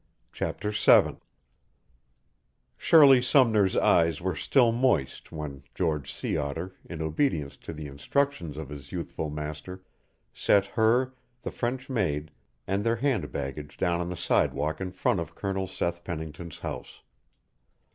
CHAPTER VII Shirley Sumner's eyes were still moist when George Sea Otter, in obedience to the instructions of his youthful master, set her, the French maid, and their hand baggage down on the sidewalk in front of Colonel Seth Pennington's house.